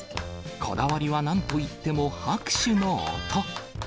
こだわりはなんといっても拍手の音。